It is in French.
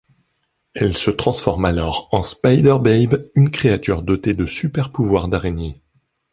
Elle se transforme alors en Spider Babe, une créature dotée de super pouvoirs d'araignée.